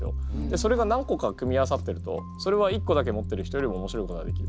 それが何個か組み合わさってるとそれは一個だけ持ってる人よりもおもしろいことができる。